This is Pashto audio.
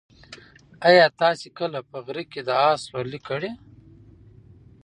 ایا تاسي کله په غره کې د اس سورلۍ کړې؟